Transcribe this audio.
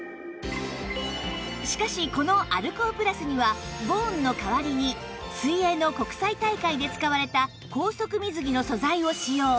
しかしこのアルコープラスにはボーンの代わりに水泳の国際大会で使われた高速水着の素材を使用